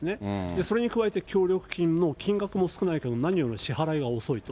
それに加えて協力金の金額も少ないし、何より支払いが遅いと。